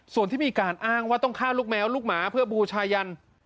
ส่วนที่มีการอ้างว่าต้องฆ่าลูกแมวลูกหมาเพื่อบูชายัน